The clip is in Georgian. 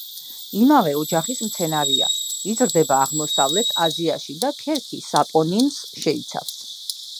იმავე ოჯახის მცენარეა, იზრდება აღმოსავლეთ აზიაში და ქერქი საპონინს შეიცავს.